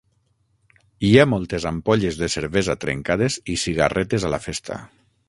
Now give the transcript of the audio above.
Hi ha moltes ampolles de cervesa trencades i cigarretes a la festa.